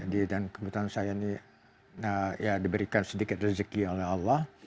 dan kebetulan saya ini ya diberikan sedikit rezeki oleh allah